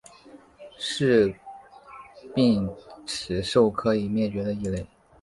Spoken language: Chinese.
是鬣齿兽科已灭绝的一类。